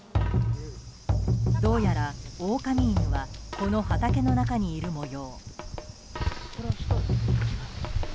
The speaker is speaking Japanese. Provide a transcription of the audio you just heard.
どうやら、オオカミ犬はこの畑の中にいる模様。